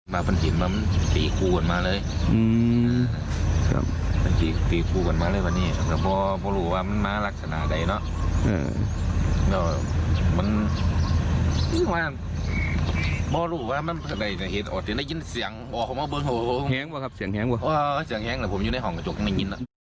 คือตอนนี้อยู่ระหว่างการตรวจสอบรายละเอียดเพิ่มเติมนะคะเพื่อที่จะดำเนินการตามขั้นตอนของกฎหมาย